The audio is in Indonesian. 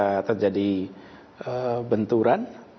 ternyata terjadi benturan